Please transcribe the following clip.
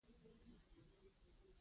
د مشروطیت غورځنګونو نقش استثنا و.